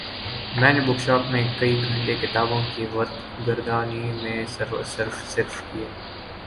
میں نے book shop میں کئی گھنٹے کتابوں کی ورق گردانی میں صرف کئے